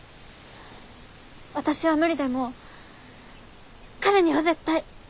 私は無理でも彼には絶対。